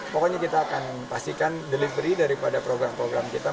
pokoknya kita akan pastikan delivery daripada program program kita